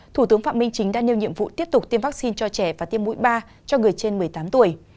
thủ tướng phạm minh chính đã nêu nhiệm vụ tiếp tục tiêm vaccine cho trẻ và tiêm mũi ba cho người trên một mươi tám tuổi